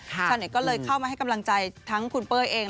ชาวเน็ตก็เลยเข้ามาให้กำลังใจทั้งคุณเป้ยเอง